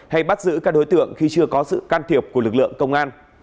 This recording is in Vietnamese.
hay bắt giữ các đối tượng khi chưa có sự can thiệp của lực lượng công an